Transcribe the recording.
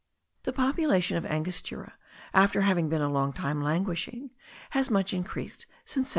The population of Angostura,* after having been a long time languishing, has much increased since 1785.